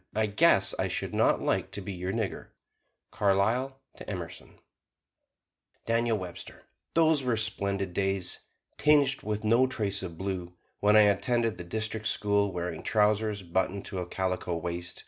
"I guess I should not like to be your nigger!" Carlyle to Emerson [Illustration: DANIEL WEBSTER] Those were splendid days, tinged with no trace of blue, when I attended the district school, wearing trousers buttoned to a calico waist.